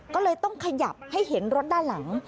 ก็เลยต้องขยับให้เห็นรถด้านหลัง